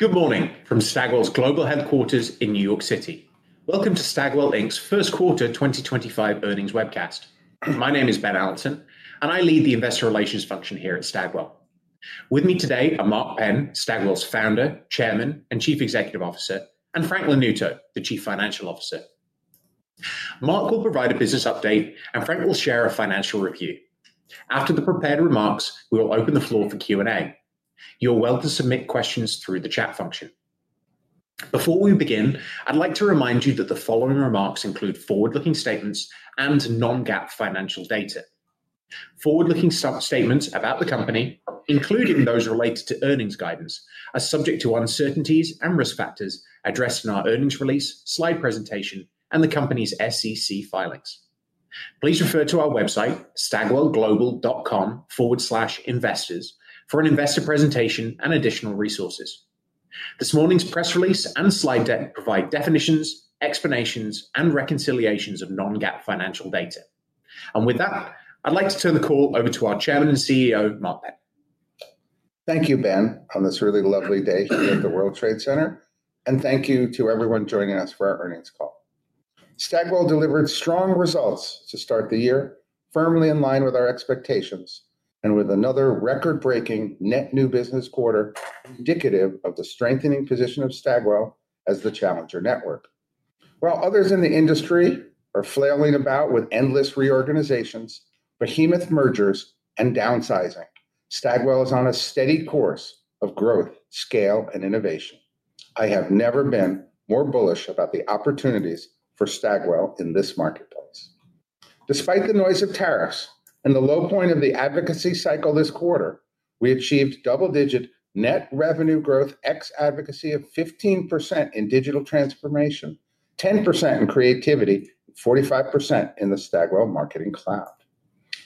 Good morning from Stagwell's global headquarters in New York City. Welcome to Stagwell Inc.'s first quarter 2025 earnings webcast. My name is Ben Allanson, and I lead the investor relations function here at Stagwell. With me today are Mark Penn, Stagwell's founder, Chairman, and Chief Executive Officer, and Frank Lanuto, the Chief Financial Officer. Mark will provide a business update, and Frank will share a financial review. After the prepared remarks, we will open the floor for Q&A. You're welcome to submit questions through the chat function. Before we begin, I'd like to remind you that the following remarks include forward-looking statements and non-GAAP financial data. Forward-looking statements about the company, including those related to earnings guidance, are subject to uncertainties and risk factors addressed in our earnings release, slide presentation, and the company's SEC filings. Please refer to our website, stagwellglobal.com/investors, for an investor presentation and additional resources. This morning's press release and slide deck provide definitions, explanations, and reconciliations of non-GAAP financial data. With that, I'd like to turn the call over to our Chairman and CEO, Mark Penn. Thank you, Ben, on this really lovely day here at the World Trade Center. Thank you to everyone joining us for our earnings call. Stagwell delivered strong results to start the year, firmly in line with our expectations and with another record-breaking net new business quarter indicative of the strengthening position of Stagwell as the challenger network. While others in the industry are flailing about with endless reorganizations, behemoth mergers, and downsizing, Stagwell is on a steady course of growth, scale, and innovation. I have never been more bullish about the opportunities for Stagwell in this marketplace. Despite the noise of tariffs and the low point of the advocacy cycle this quarter, we achieved double-digit net revenue growth ex-advocacy of 15% in digital transformation, 10% in creativity, and 45% in the Stagwell Marketing Cloud.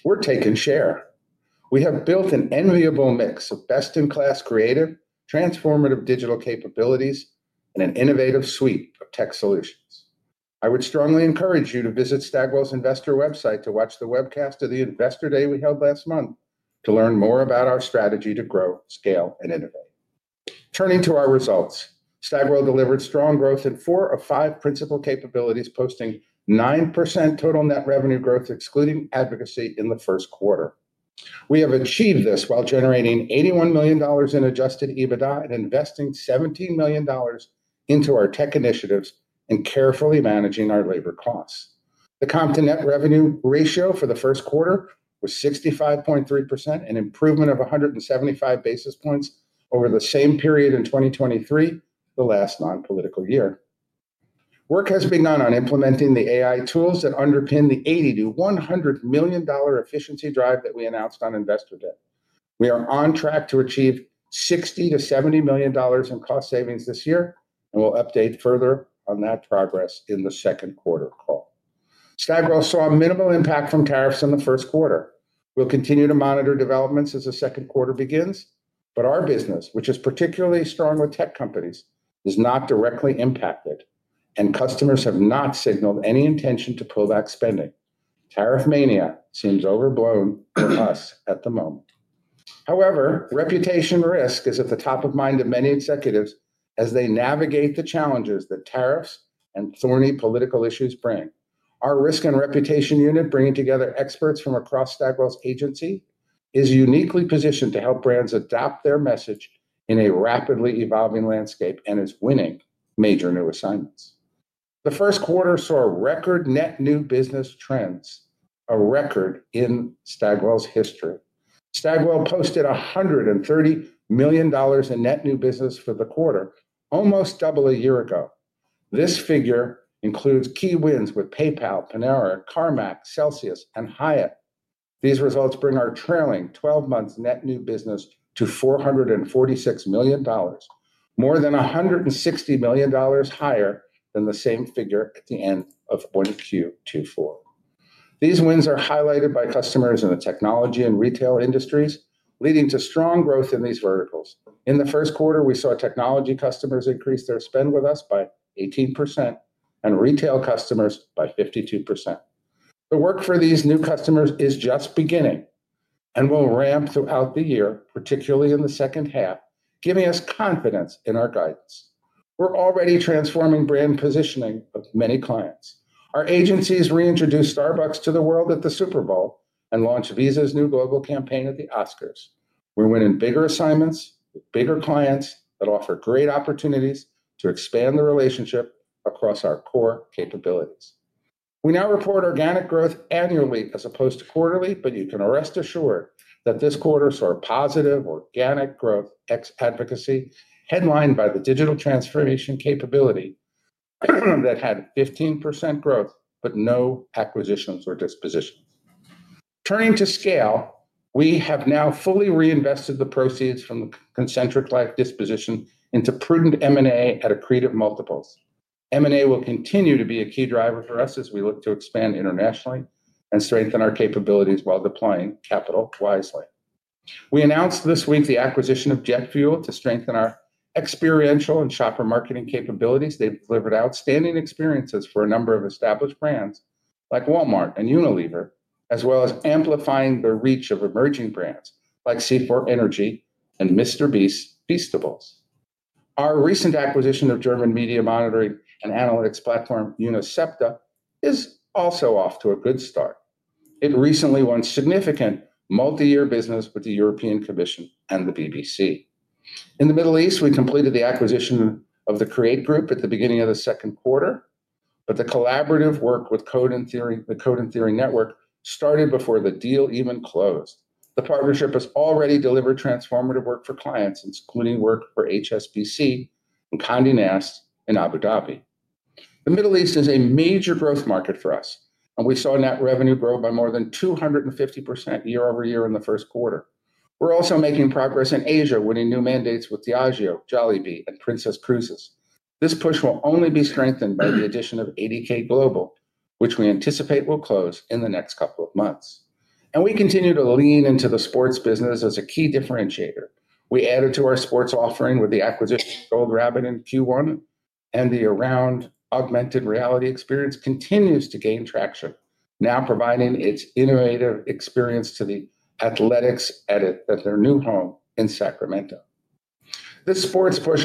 We're taking share. We have built an enviable mix of best-in-class creative, transformative digital capabilities, and an innovative suite of tech solutions. I would strongly encourage you to visit Stagwell's investor website to watch the webcast of the investor day we held last month to learn more about our strategy to grow, scale, and innovate. Turning to our results, Stagwell delivered strong growth in four of five principal capabilities, posting 9% total net revenue growth excluding advocacy in the first quarter. We have achieved this while generating $81 million in adjusted EBITDA and investing $17 million into our tech initiatives and carefully managing our labor costs. The comp to net revenue ratio for the first quarter was 65.3%, an improvement of 175 basis points over the same period in 2023, the last non-political year. Work has begun on implementing the AI tools that underpin the $80-$100 million efficiency drive that we announced on investor day. We are on track to achieve $60-$70 million in cost savings this year, and we'll update further on that progress in the second quarter call. Stagwell saw minimal impact from tariffs in the first quarter. We'll continue to monitor developments as the second quarter begins, but our business, which is particularly strong with tech companies, is not directly impacted, and customers have not signaled any intention to pull back spending. Tariff mania seems overblown for us at the moment. However, reputation risk is at the top of mind of many executives as they navigate the challenges that tariffs and thorny political issues bring. Our risk and reputation unit, bringing together experts from across Stagwell's agency, is uniquely positioned to help brands adopt their message in a rapidly evolving landscape and is winning major new assignments. The first quarter saw record net new business trends, a record in Stagwell's history. Stagwell posted $130 million in net new business for the quarter, almost double a year ago. This figure includes key wins with PayPal, Panera, CarMax, Celsius, and Hyatt. These results bring our trailing 12 months net new business to $446 million, more than $160 million higher than the same figure at the end of 2024. These wins are highlighted by customers in the technology and retail industries, leading to strong growth in these verticals. In the first quarter, we saw technology customers increase their spend with us by 18% and retail customers by 52%. The work for these new customers is just beginning and will ramp throughout the year, particularly in the second half, giving us confidence in our guidance. We're already transforming brand positioning of many clients. Our agencies reintroduced Starbucks to the world at the Super Bowl and launched Visa's new global campaign at the Oscars. We're winning bigger assignments with bigger clients that offer great opportunities to expand the relationship across our core capabilities. We now report organic growth annually as opposed to quarterly, but you can rest assured that this quarter saw positive organic growth ex-advocacy headlined by the digital transformation capability that had 15% growth, but no acquisitions or dispositions. Turning to scale, we have now fully reinvested the proceeds from the concentric-like disposition into prudent M&A at accretive multiples. M&A will continue to be a key driver for us as we look to expand internationally and strengthen our capabilities while deploying capital wisely. We announced this week the acquisition of JetFuel to strengthen our experiential and shopper marketing capabilities. They've delivered outstanding experiences for a number of established brands like Walmart and Unilever, as well as amplifying the reach of emerging brands like C4 Energy and MrBeast Feastables. Our recent acquisition of German media monitoring and analytics platform UNICEPTA is also off to a good start. It recently won significant multi-year business with the European Commission and the BBC. In the Middle East, we completed the acquisition of the Create Group at the beginning of the second quarter, but the collaborative work with Code and Theory Network started before the deal even closed. The partnership has already delivered transformative work for clients, including work for HSBC and Condé Nast in Abu Dhabi. The Middle East is a major growth market for us, and we saw net revenue grow by more than 250% year-over-year in the first quarter. We're also making progress in Asia, winning new mandates with Diageo, Jollibee, and Princess Cruises. This push will only be strengthened by the addition of ADK Global, which we anticipate will close in the next couple of months. We continue to lean into the sports business as a key differentiator. We added to our sports offering with the acquisition of Gold Rabbit in Q1, and the around augmented reality experience continues to gain traction, now providing its innovative experience to the Athletics edit at their new home in Sacramento. This sports push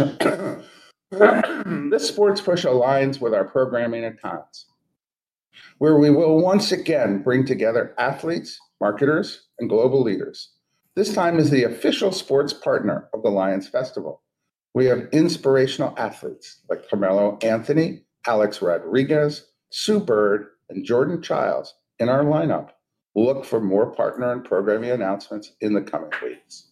aligns with our programming at Times, where we will once again bring together athletes, marketers, and global leaders. This time as the official sports partner of the Lions Festival, we have inspirational athletes like Carmelo Anthony, Alex Rodriguez, Sue Bird, and Jordan Chiles in our lineup. We'll look for more partner and programming announcements in the coming weeks.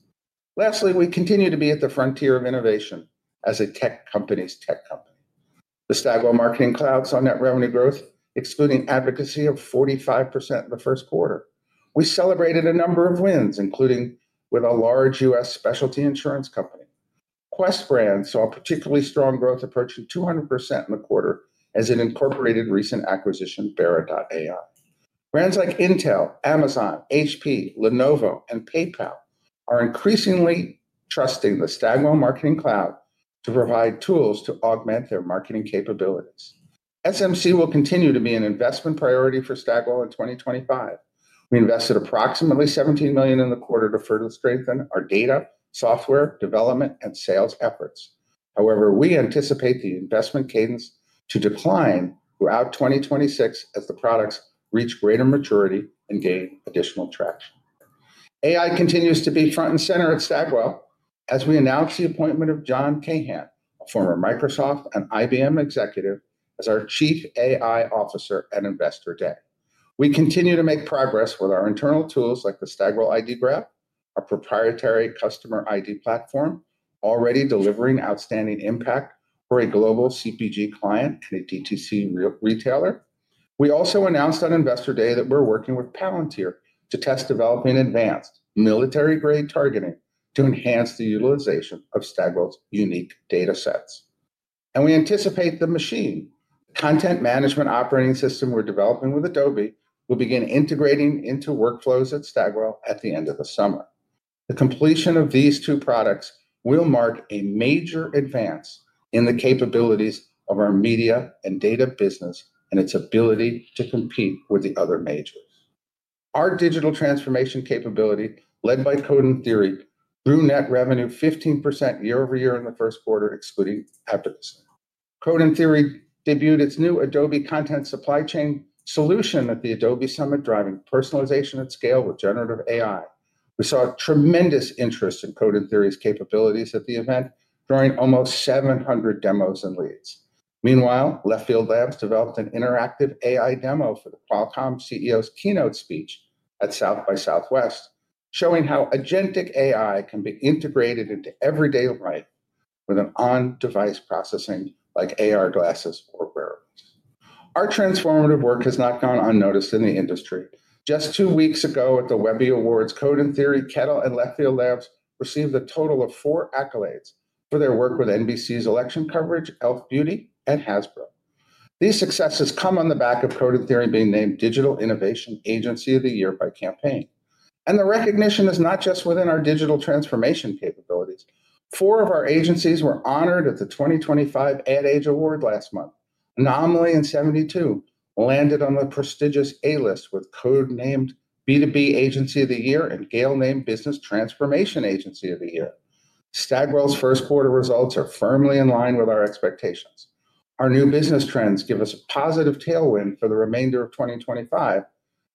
Lastly, we continue to be at the frontier of innovation as a tech company's tech company. The Stagwell Marketing Cloud saw net revenue growth, excluding advocacy, of 45% in the first quarter. We celebrated a number of wins, including with a large U.S. specialty insurance company. Quest brand saw particularly strong growth, approaching 200% in the quarter as it incorporated recent acquisition BERA.ai. Brands like Intel, Amazon, HP, Lenovo, and PayPal are increasingly trusting the Stagwell Marketing Cloud to provide tools to augment their marketing capabilities. SMC will continue to be an investment priority for Stagwell in 2025. We invested approximately $17 million in the quarter to further strengthen our data, software development, and sales efforts. However, we anticipate the investment cadence to decline throughout 2026 as the products reach greater maturity and gain additional traction. AI continues to be front and center at Stagwell as we announce the appointment of John Kahan, a former Microsoft and IBM executive, as our Chief AI Officer at Investor Day. We continue to make progress with our internal tools like the Stagwell ID Graph, our proprietary customer ID platform, already delivering outstanding impact for a global CPG client and a DTC retailer. We also announced on Investor Day that we're working with Palantir to test developing advanced military-grade targeting to enhance the utilization of Stagwell's unique data sets. We anticipate the Machine, the content management operating system we're developing with Adobe, will begin integrating into workflows at Stagwell at the end of the summer. The completion of these two products will mark a major advance in the capabilities of our media and data business and its ability to compete with the other majors. Our digital transformation capability, led by Code and Theory, grew net revenue 15% year-over-year in the first quarter, excluding advocacy. Code and Theory debuted its new Adobe content supply chain solution at the Adobe Summit, driving personalization at scale with generative AI. We saw tremendous interest in Code and Theory's capabilities at the event, drawing almost 700 demos and leads. Meanwhile, Left Field Labs developed an interactive AI demo for the Qualcomm CEO's keynote speech at South by Southwest, showing how agentic AI can be integrated into everyday life with on-device processing like AR glasses or wearables. Our transformative work has not gone unnoticed in the industry. Just two weeks ago at the Webby Awards, Code and Theory, Kettle, and Left Field Labs received a total of four accolades for their work with NBC's election coverage, e.l.f. Beauty, and Hasbro. These successes come on the back of Code and Theory being named Digital Innovation Agency of the Year by Campaign. The recognition is not just within our digital transformation capabilities. Four of our agencies were honored at the 2025 Ad Age Award last month. Anomaly and 72 landed on the prestigious A-list with Code named B2B Agency of the Year and Gale named Business Transformation Agency of the Year. Stagwell's first quarter results are firmly in line with our expectations. Our new business trends give us a positive tailwind for the remainder of 2025,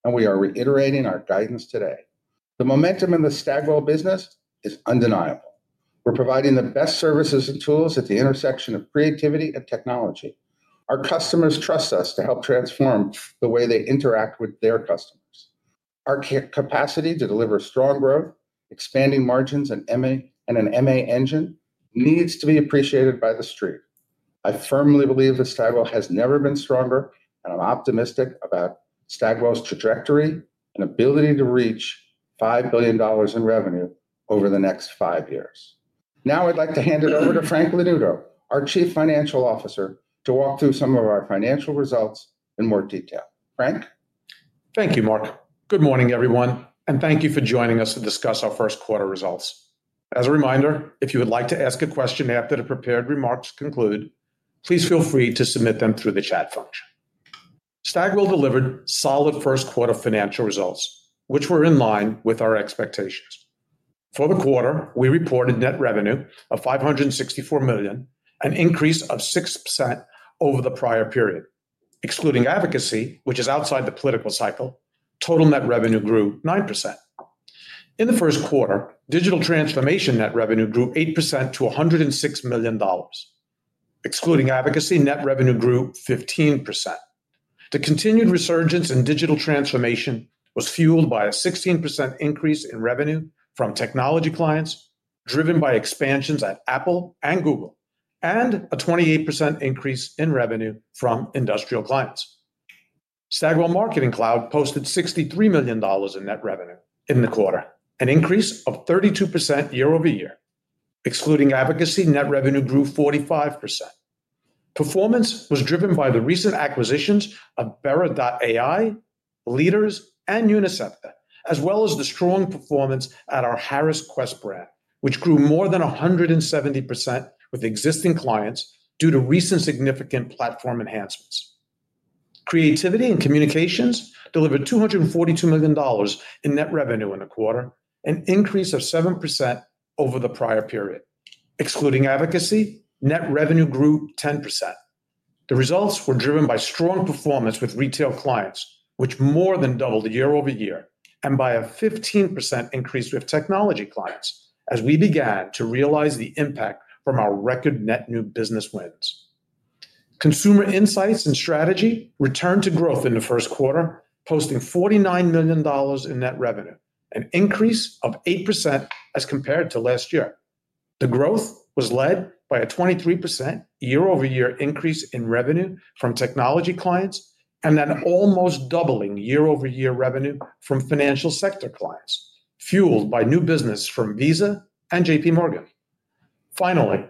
and we are reiterating our guidance today. The momentum in the Stagwell business is undeniable. We're providing the best services and tools at the intersection of creativity and technology. Our customers trust us to help transform the way they interact with their customers. Our capacity to deliver strong growth, expanding margins, and an M&A engine needs to be appreciated by the street. I firmly believe that Stagwell has never been stronger, and I'm optimistic about Stagwell's trajectory and ability to reach $5 billion in revenue over the next five years. Now I'd like to hand it over to Frank Lanuto, our Chief Financial Officer, to walk through some of our financial results in more detail. Frank? Thank you, Mark. Good morning, everyone, and thank you for joining us to discuss our first quarter results. As a reminder, if you would like to ask a question after the prepared remarks conclude, please feel free to submit them through the chat function. Stagwell delivered solid first quarter financial results, which were in line with our expectations. For the quarter, we reported net revenue of $564 million, an increase of 6% over the prior period. Excluding advocacy, which is outside the political cycle, total net revenue grew 9%. In the first quarter, digital transformation net revenue grew 8% to $106 million. Excluding advocacy, net revenue grew 15%. The continued resurgence in digital transformation was fueled by a 16% increase in revenue from technology clients driven by expansions at Apple and Google, and a 28% increase in revenue from industrial clients. Stagwell Marketing Cloud posted $63 million in net revenue in the quarter, an increase of 32% year-over-year. Excluding advocacy, net revenue grew 45%. Performance was driven by the recent acquisitions of BERA.ai, Leaders, and UNICEPTA, as well as the strong performance at our Harris Quest brand, which grew more than 170% with existing clients due to recent significant platform enhancements. Creativity and communications delivered $242 million in net revenue in the quarter, an increase of 7% over the prior period. Excluding advocacy, net revenue grew 10%. The results were driven by strong performance with retail clients, which more than doubled year-over-year, and by a 15% increase with technology clients as we began to realize the impact from our record net new business wins. Consumer insights and strategy returned to growth in the first quarter, posting $49 million in net revenue, an increase of 8% as compared to last year. The growth was led by a 23% year-over-year increase in revenue from technology clients and then almost doubling year-over-year revenue from financial sector clients, fueled by new business from Visa and JPMorgan. Finally,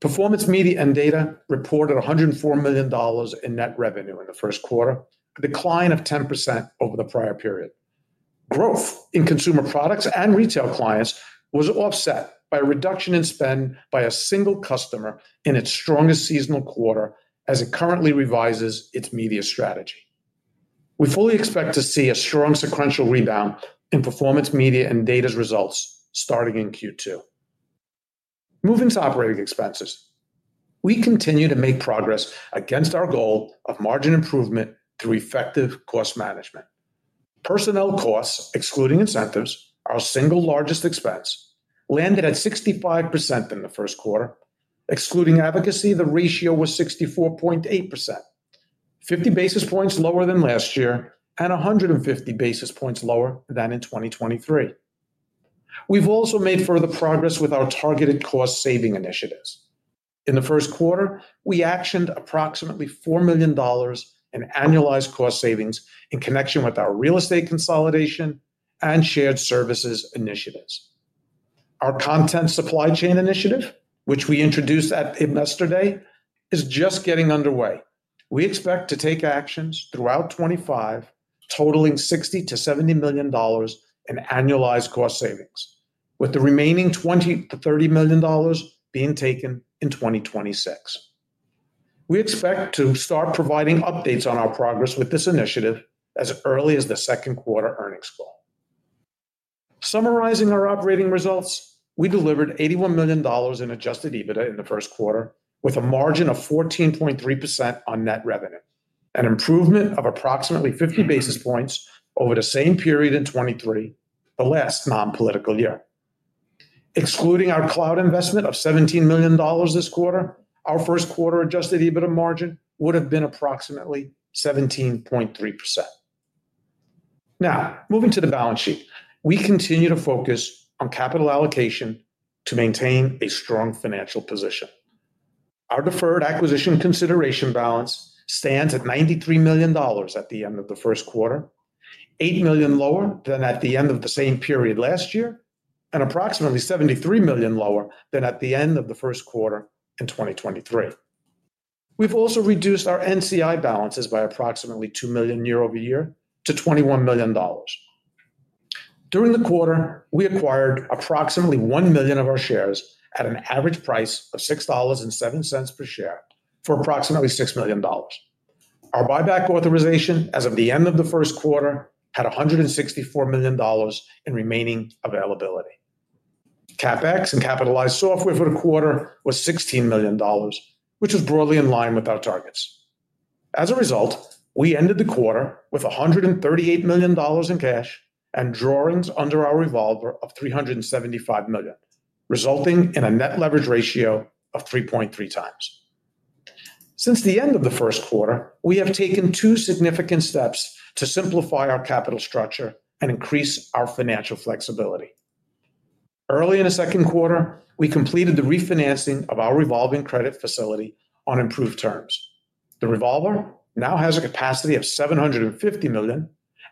performance media and data reported $104 million in net revenue in the first quarter, a decline of 10% over the prior period. Growth in consumer products and retail clients was offset by a reduction in spend by a single customer in its strongest seasonal quarter as it currently revises its media strategy. We fully expect to see a strong sequential rebound in performance media and data's results starting in Q2. Moving to operating expenses, we continue to make progress against our goal of margin improvement through effective cost management. Personnel costs, excluding incentives, our single largest expense, landed at 65% in the first quarter. Excluding advocacy, the ratio was 64.8%, 50 basis points lower than last year and 150 basis points lower than in 2023. We have also made further progress with our targeted cost saving initiatives. In the first quarter, we actioned approximately $4 million in annualized cost savings in connection with our real estate consolidation and shared services initiatives. Our content supply chain initiative, which we introduced at Investor Day, is just getting underway. We expect to take actions throughout 2025, totaling $60-$70 million in annualized cost savings, with the remaining $20-$30 million being taken in 2026. We expect to start providing updates on our progress with this initiative as early as the second quarter earnings call. Summarizing our operating results, we delivered $81 million in adjusted EBITDA in the first quarter with a margin of 14.3% on net revenue, an improvement of approximately 50 basis points over the same period in 2023, the last non-political year. Excluding our cloud investment of $17 million this quarter, our first quarter adjusted EBITDA margin would have been approximately 17.3%. Now, moving to the balance sheet, we continue to focus on capital allocation to maintain a strong financial position. Our deferred acquisition consideration balance stands at $93 million at the end of the first quarter, $8 million lower than at the end of the same period last year, and approximately $73 million lower than at the end of the first quarter in 2023. We've also reduced our NCI balances by approximately $2 million year-over-year to $21 million. During the quarter, we acquired approximately $1 million of our shares at an average price of $6.07 per share for approximately $6 million. Our buyback authorization as of the end of the first quarter had $164 million in remaining availability. CapEx and capitalized software for the quarter was $16 million, which is broadly in line with our targets. As a result, we ended the quarter with $138 million in cash and drawings under our revolver of $375 million, resulting in a net leverage ratio of 3.3x. Since the end of the first quarter, we have taken two significant steps to simplify our capital structure and increase our financial flexibility. Early in the second quarter, we completed the refinancing of our revolving credit facility on improved terms. The revolver now has a capacity of $750 million,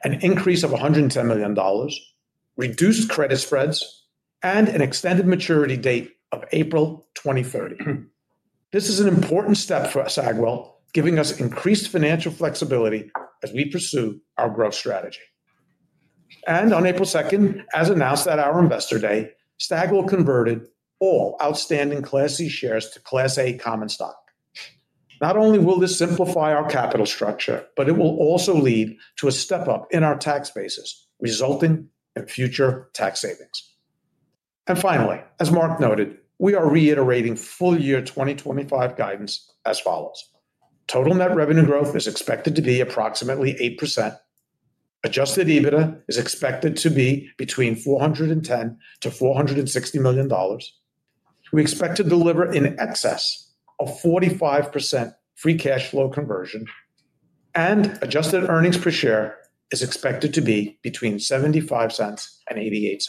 an increase of $110 million, reduced credit spreads, and an extended maturity date of April 2030. This is an important step for Stagwell, giving us increased financial flexibility as we pursue our growth strategy. On April 2, as announced at our Investor Day, Stagwell converted all outstanding Class C shares to Class A common stock. Not only will this simplify our capital structure, but it will also lead to a step up in our tax bases, resulting in future tax savings. Finally, as Mark noted, we are reiterating full year 2025 guidance as follows. Total net revenue growth is expected to be approximately 8%. Adjusted EBITDA is expected to be between $410 million-$460 million. We expect to deliver in excess of 45% free cash flow conversion, and adjusted earnings per share is expected to be between $0.75 and $0.88.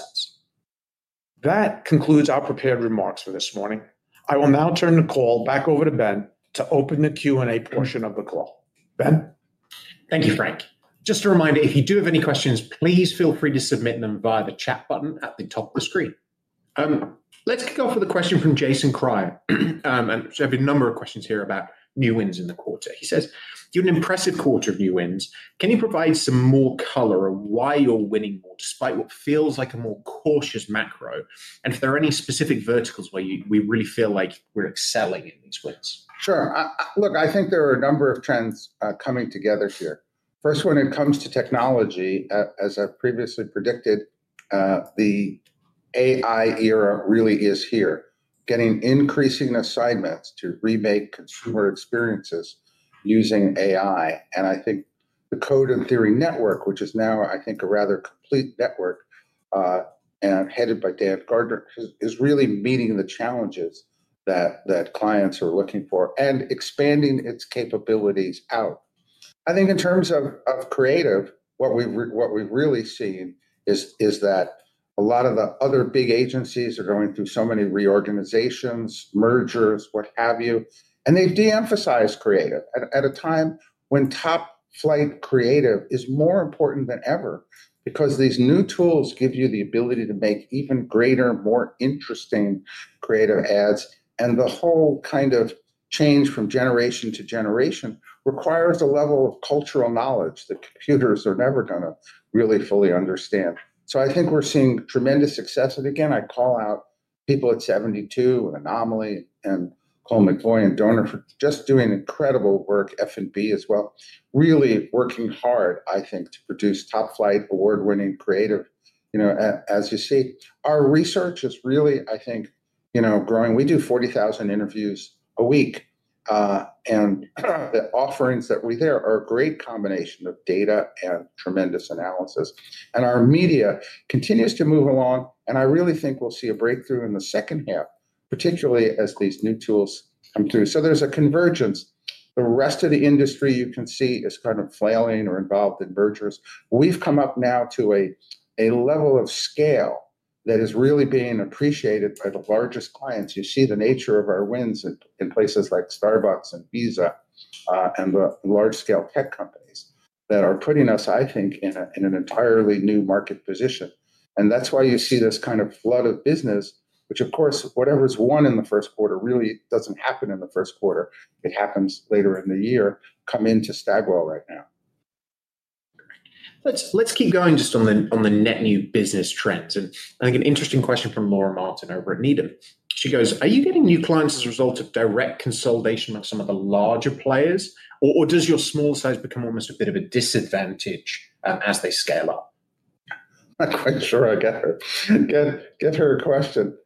That concludes our prepared remarks for this morning. I will now turn the call back over to Ben to open the Q&A portion of the call. Ben? Thank you, Frank. Just a reminder, if you do have any questions, please feel free to submit them via the chat button at the top of the screen. Let's kick off with a question from Jason Cryer. There are a number of questions here about new wins in the quarter. He says, "You had an impressive quarter of new wins. Can you provide some more color of why you're winning more despite what feels like a more cautious macro? And if there are any specific verticals where we really feel like we're excelling in these wins?" Sure. Look, I think there are a number of trends coming together here. First, when it comes to technology, as I previously predicted, the AI era really is here, getting increasing assignments to remake consumer experiences using AI. I think the Code and Theory Network, which is now, I think, a rather complete network and headed by Dan Gardner, is really meeting the challenges that clients are looking for and expanding its capabilities out. I think in terms of creative, what we've really seen is that a lot of the other big agencies are going through so many reorganizations, mergers, what have you, and they've de-emphasized creative at a time when top flight creative is more important than ever because these new tools give you the ability to make even greater, more interesting creative ads. The whole kind of change from generation to generation requires a level of cultural knowledge that computers are never going to really fully understand. I think we're seeing tremendous success. I call out people at 72, Anomaly, and Colle McVoy and Doner for just doing incredible work, F&B as well, really working hard, I think, to produce top flight award-winning creative. As you see, our research is really, I think, growing. We do 40,000 interviews a week, and the offerings that we there are a great combination of data and tremendous analysis. Our media continues to move along, and I really think we'll see a breakthrough in the second half, particularly as these new tools come through. There's a convergence. The rest of the industry you can see is kind of flailing or involved in mergers. We've come up now to a level of scale that is really being appreciated by the largest clients. You see the nature of our wins in places like Starbucks and Visa and the large-scale tech companies that are putting us, I think, in an entirely new market position. That is why you see this kind of flood of business, which, of course, whatever's won in the first quarter really doesn't happen in the first quarter. It happens later in the year. Come into Stagwell right now. Let's keep going just on the net new business trends. I think an interesting question from Laura Martin over at Needham. She goes, "Are you getting new clients as a result of direct consolidation among some of the larger players, or does your small size become almost a bit of a disadvantage as they scale up?" I'm not quite sure I get her. Get her a question.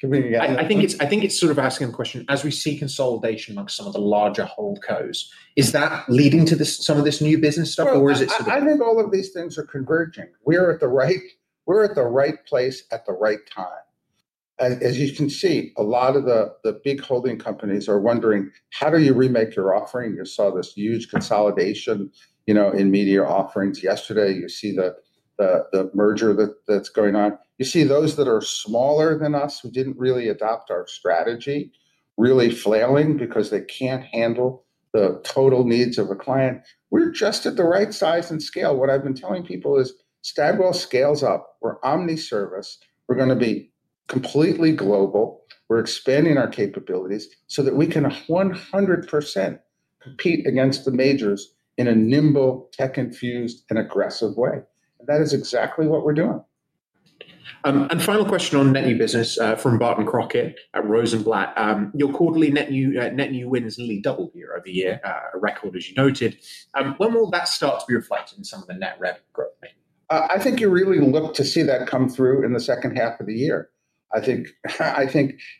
Give me an answer. I think it's sort of asking a question. As we see consolidation among some of the larger holdcos, is that leading to some of this new business stuff, or is it sort of? I think all of these things are converging. We're at the right place at the right time. As you can see, a lot of the big holding companies are wondering, "How do you remake your offering?" You saw this huge consolidation in media offerings yesterday. You see the merger that's going on. You see those that are smaller than us who didn't really adopt our strategy really flailing because they can't handle the total needs of a client. We're just at the right size and scale. What I've been telling people is Stagwell scales up. We're omni-service. We're going to be completely global. We're expanding our capabilities so that we can 100% compete against the majors in a nimble, tech-infused, and aggressive way. That is exactly what we're doing. Final question on net new business from Barton Crockett at Rosenblatt. Your quarterly net new wins nearly doubled year-over-year, a record, as you noted. When will that start to be reflected in some of the net revenue growth? I think you really look to see that come through in the second half of the year. I think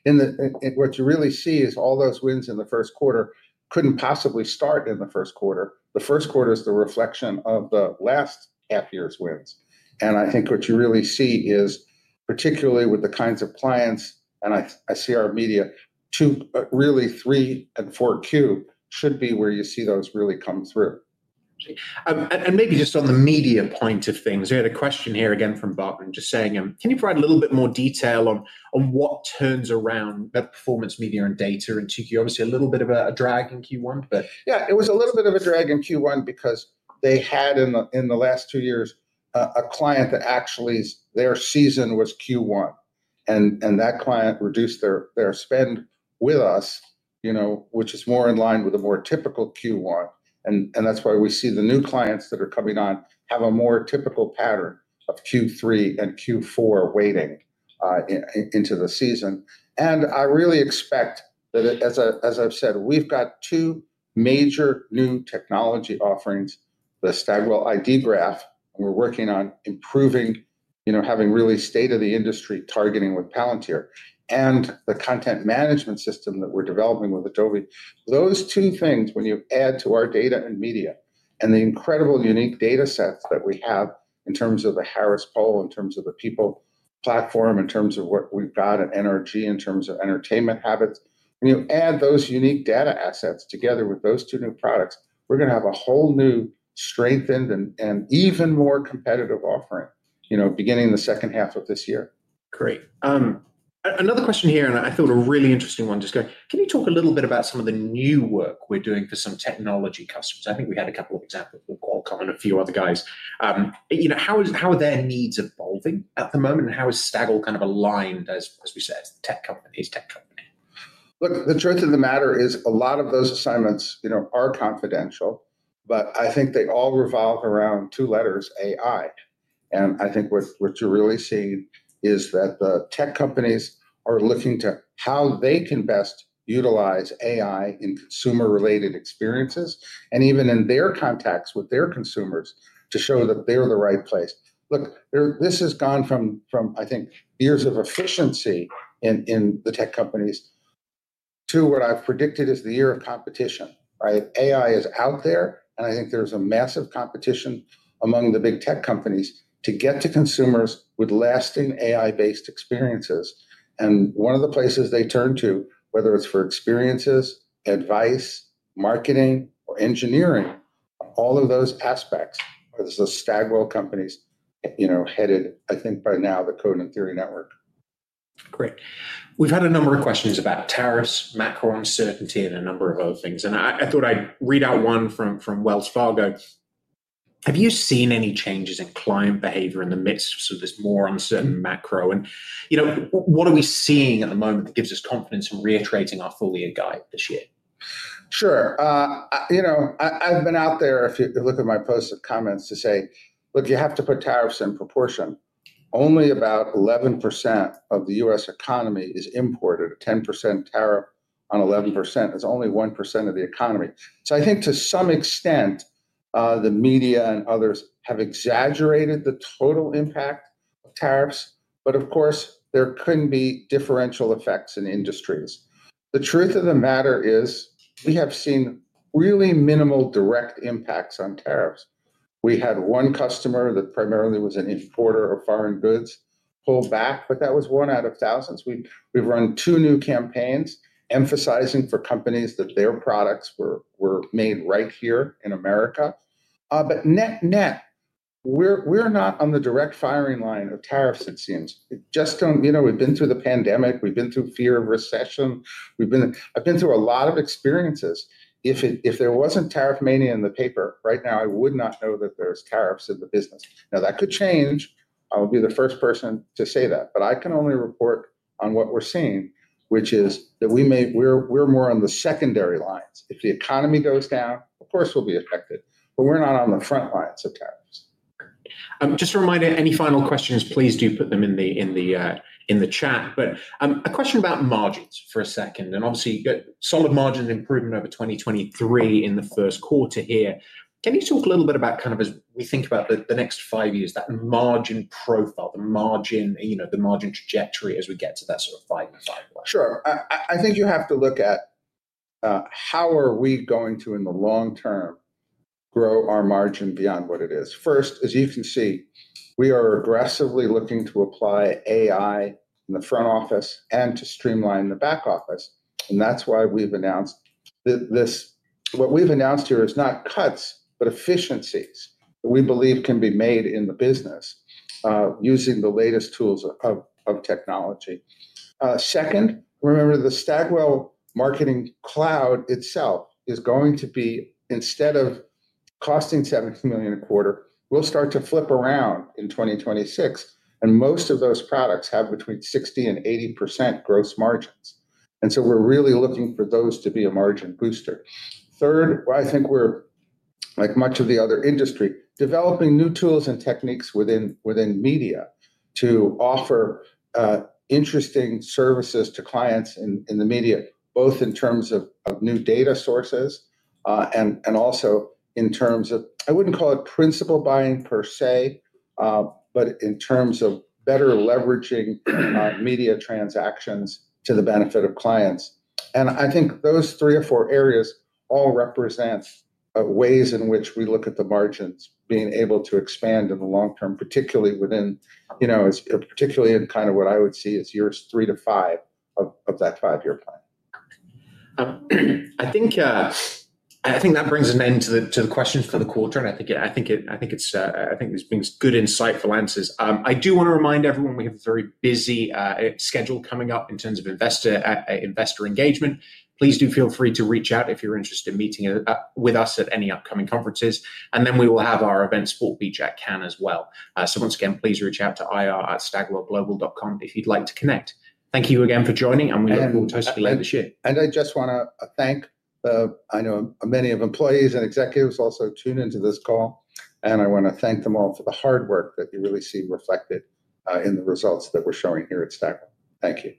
what you really see is all those wins in the first quarter could not possibly start in the first quarter. The first quarter is the reflection of the last half year's wins. I think what you really see is, particularly with the kinds of clients, and I see our media, really three and four Q should be where you see those really come through. Maybe just on the media point of things, we had a question here again from Barton just saying, "Can you provide a little bit more detail on what turns around that performance media and data in QQ?" Obviously, a little bit of a drag in Q1? Yeah, it was a little bit of a drag in Q1 because they had in the last two years a client that actually their season was Q1. That client reduced their spend with us, which is more in line with a more typical Q1. That is why we see the new clients that are coming on have a more typical pattern of Q3 and Q4 waiting into the season. I really expect that, as I have said, we have got two major new technology offerings, the Stagwell ID Graph, and we are working on improving, having really state of the industry targeting with Palantir, and the content management system that we are developing with Adobe. Those two things, when you add to our data and media and the incredible unique data sets that we have in terms of the Harris Poll, in terms of the people platform, in terms of what we have got at NRG, in terms of entertainment habits, when you add those unique data assets together with those two new products, we are going to have a whole new strengthened and even more competitive offering beginning the second half of this year. Great. Another question here, and I thought a really interesting one just going, "Can you talk a little bit about some of the new work we're doing for some technology customers?" I think we had a couple of examples with Qualcomm and a few other guys. How are their needs evolving at the moment, and how is Stagwell kind of aligned, as we said, as a tech company? Look, the truth of the matter is a lot of those assignments are confidential, but I think they all revolve around two letters, AI. I think what you're really seeing is that the tech companies are looking to how they can best utilize AI in consumer-related experiences and even in their contacts with their consumers to show that they're the right place. Look, this has gone from, I think, years of efficiency in the tech companies to what I've predicted is the year of competition. AI is out there, and I think there's a massive competition among the big tech companies to get to consumers with lasting AI-based experiences. One of the places they turn to, whether it's for experiences, advice, marketing, or engineering, all of those aspects are the Stagwell companies headed, I think by now, the Code and Theory Network. Great. We've had a number of questions about tariffs, macro uncertainty, and a number of other things. I thought I'd read out one from Wells Fargo. Have you seen any changes in client behavior in the midst of this more uncertain macro? What are we seeing at the moment that gives us confidence in reiterating our full year guide this year? Sure.I've been out there, if you look at my post of comments, to say, "Look, you have to put tariffs in proportion. Only about 11% of the U.S. economy is imported. A 10% tariff on 11% is only 1% of the economy." I think to some extent, the media and others have exaggerated the total impact of tariffs, but of course, there could be differential effects in industries. The truth of the matter is we have seen really minimal direct impacts on tariffs. We had one customer that primarily was an importer of foreign goods pull back, but that was one out of thousands. We've run two new campaigns emphasizing for companies that their products were made right here in America. Net-net, we're not on the direct firing line of tariffs, it seems. We've been through the pandemic. We've been through fear of recession. I've been through a lot of experiences. If there wasn't tariff mania in the paper right now, I would not know that there's tariffs in the business. Now, that could change. I'll be the first person to say that, but I can only report on what we're seeing, which is that we're more on the secondary lines. If the economy goes down, of course, we'll be affected, but we're not on the front lines of tariffs. Just a reminder, any final questions, please do put them in the chat. A question about margins for a second. Obviously, solid margin improvement over 2023 in the first quarter here. Can you talk a little bit about kind of as we think about the next five years, that margin profile, the margin trajectory as we get to that sort of five-year cycle? Sure. I think you have to look at how are we going to, in the long term, grow our margin beyond what it is. First, as you can see, we are aggressively looking to apply AI in the front office and to streamline the back office. That is why we have announced that what we have announced here is not cuts, but efficiencies that we believe can be made in the business using the latest tools of technology. Second, remember the Stagwell Marketing Cloud itself is going to be, instead of costing $70 million a quarter, we will start to flip around in 2026. Most of those products have between 60% and 80% gross margins. We are really looking for those to be a margin booster. Third, I think we're, like much of the other industry, developing new tools and techniques within media to offer interesting services to clients in the media, both in terms of new data sources and also in terms of, I wouldn't call it principal buying per se, but in terms of better leveraging media transactions to the benefit of clients. I think those three or four areas all represent ways in which we look at the margins being able to expand in the long term, particularly in kind of what I would see as years three to five of that five-year plan. I think that brings an end to the questions for the quarter. I think this brings good insightful answers. I do want to remind everyone we have a very busy schedule coming up in terms of investor engagement. Please do feel free to reach out if you're interested in meeting with us at any upcoming conferences. We will have our event Sport Beach at Cannes as well. Once again, please reach out to ir@stagwellglobal.com if you'd like to connect. Thank you again for joining, and we hope we'll talk to you later this year. I just want to thank the many employees and executives also tuned into this call. I want to thank them all for the hard work that you really see reflected in the results that we're showing here at Stagwell. Thank you.